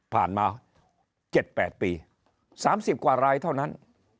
มา๗๘ปี๓๐กว่ารายเท่านั้น